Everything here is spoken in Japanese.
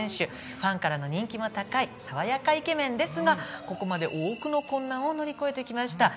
ファンからの人気も高い爽やかイケメンですがここまで多くの困難を乗り越えてきました。